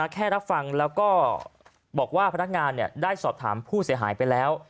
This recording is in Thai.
แค่รับฟังแล้วก็บอกว่าพนักงานได้สอบถามผู้เสียหายไปแล้ว